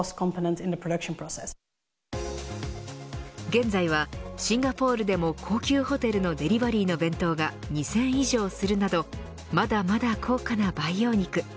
現在はシンガポールでも高級ホテルのデリバリーの弁当が２０００円以上するなどまだまだ高価な培養肉。